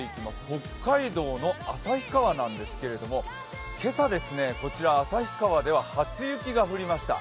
北海道の旭川なんですけれども、今朝、こちら旭川では初雪が降りました。